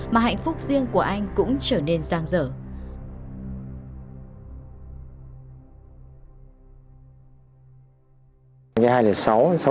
mà hạnh phúc riêng của anh cũng trở nên giang dở